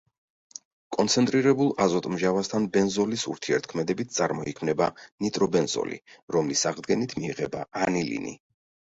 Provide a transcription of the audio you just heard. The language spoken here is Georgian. კონცენტრირებულ აზოტმჟავასთან ბენზოლის ურთიერთქმედებით წარმოიქმნება ნიტრობენზოლი, რომლის აღდგენით მიიღება ანილინი.